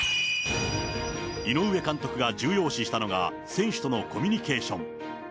井上監督が重要視したのが選手とのコミュニケーション。